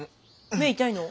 目痛いの？